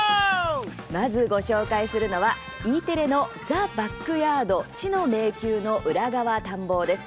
まずご紹介するのは、Ｅテレの「ザ・バックヤード知の迷宮の裏側探訪」です。